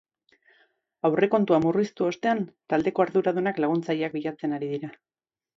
Aurrekontua murriztu ostean, taldeko arduradunak laguntzaileak bilatzen ari dira.